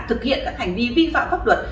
thực hiện các hành vi vi phạm pháp luật